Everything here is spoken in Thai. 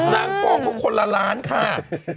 นางฟ้องคนละล้านค่ะ